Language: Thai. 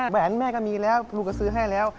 แหนแม่ก็มีแล้วลูกก็ซื้อให้แล้ว